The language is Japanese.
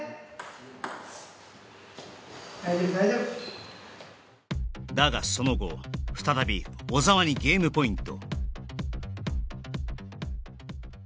大丈夫大丈夫だがその後再び小澤にゲームポイント